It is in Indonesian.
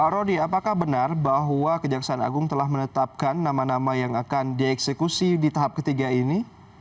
rodi apakah benar bahwa kejaksaan agung telah menetapkan nama nama yang akan dieksekusi di tahap ketiga ini